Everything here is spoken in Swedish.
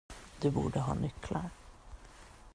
Du borde ha nycklar!